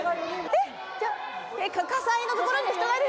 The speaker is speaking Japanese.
えっ火災のところに人がいる？